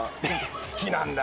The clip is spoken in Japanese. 好きなんだ。